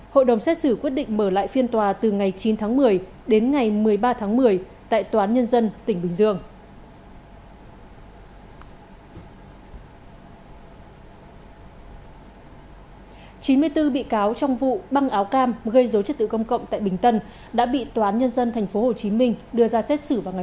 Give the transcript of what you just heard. hội đồng xét xử quyết định mở lại phiên tòa từ ngày chín tháng một mươi đến ngày một mươi ba tháng một mươi tại tòa án nhân dân tỉnh bình dương